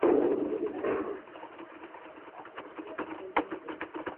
kuzitumia kwa sababu moja tu Wanafurahia kufanya hivyo